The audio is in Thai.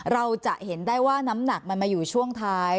เราจะเห็นได้ว่าน้ำหนักมันมาอยู่ช่วงท้าย